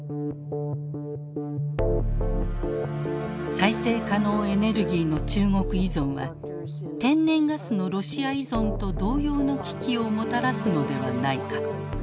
再生可能エネルギーの中国依存は天然ガスのロシア依存と同様の危機をもたらすのではないか。